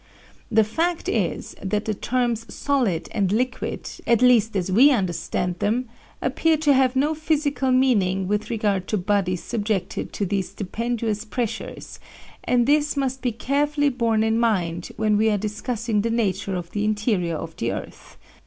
The fact is that the terms solid and liquid, at least as we understand them, appear to have no physical meaning with regard to bodies subjected to these stupendous pressures, and this must be carefully borne in mind when we are discussing the nature of the interior of the earth."